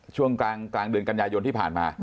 ช่วงกลางเดือนกันยายนที่ผ่านมา